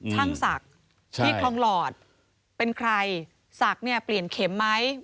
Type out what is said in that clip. ช่างศักดิ์ที่คลองหลอดเป็นใครศักดิ์เนี่ยเปลี่ยนเข็มไหม